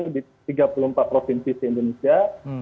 di tiga puluh empat provinsi di indonesia